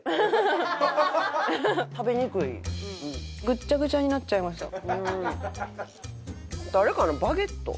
ぐっちゃぐちゃになっちゃいました。